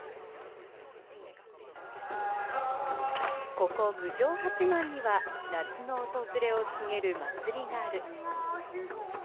ここ郡上八幡には夏の訪れを告げる祭りがある。